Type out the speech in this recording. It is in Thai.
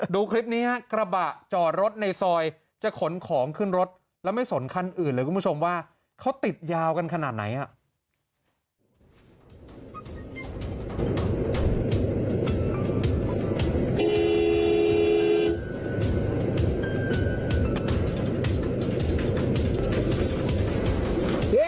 ดูคลิปนี้ฮะกระบะจอดรถในซอยจะขนของขึ้นรถแล้วไม่สนคันอื่นเลยคุณผู้ชมว่าเขาติดยาวกันขนาดไหนฮะ